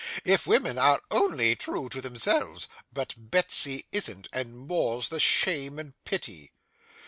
'If women are only true to themselves! But Betsy isn't, and more's the shame and pity.